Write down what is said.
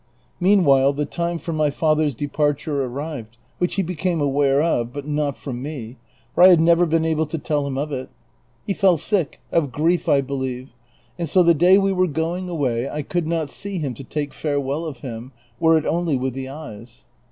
Meanwhile the time for my father's de parture arrived, which he became aware of, but not from me, for I had never been able to tell him of it. He fell sick, of grief I believe, and so the day we were going away I could not see him to take farewell of hiin, were it only with the eyes.